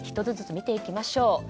１つずつ見ていきましょう。